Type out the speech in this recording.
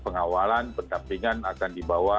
pengawalan penampilan akan dibawa